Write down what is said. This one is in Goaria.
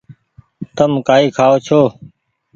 تم ڪآئي کآئو ڇو۔